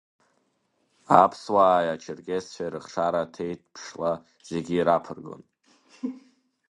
Аԥсуааи ачерқьезцәеи рыхшара ҭеиҭԥшла зегьы ираԥыргон.